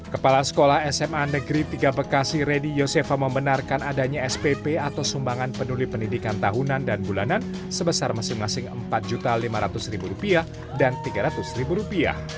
kepala sekolah sma negeri tiga bekasi redi yosefa membenarkan adanya spp atau sumbangan peduli pendidikan tahunan dan bulanan sebesar masing masing rp empat lima ratus dan rp tiga ratus